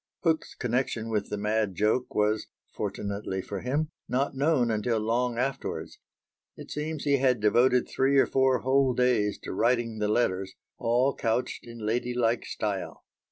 Hook's connection with the mad joke was, fortunately for him, not known until long afterwards; it seems he had devoted three or four whole days to writing the letters, all couched in ladylike style.